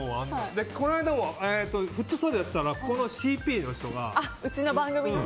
この間もフットサルやってたらここのＣＰの人が。